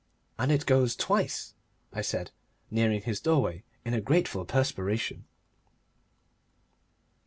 "And it goes twice?" I said, nearing his doorway in a grateful perspiration.